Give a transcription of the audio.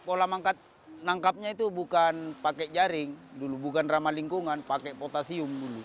pola mangkat nangkapnya itu bukan pakai jaring bukan ramah lingkungan pakai potasium